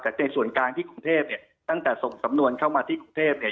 แต่ในส่วนกลางที่กรุงเทพเนี่ยตั้งแต่ส่งสำนวนเข้ามาที่กรุงเทพเนี่ย